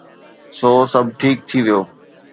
سو سڀ ٺيڪ ٿي ويو.